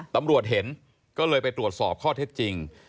ตำรวจเห็นก็เลยไปตรวจสอบข้อเท็จจริง